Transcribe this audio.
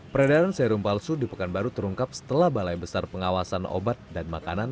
peredaran serum palsu di pekanbaru terungkap setelah balai besar pengawasan obat dan makanan